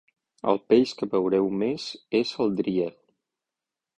El peix que veureu més és el "Driel".